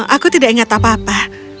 aku tidak ingat apa apa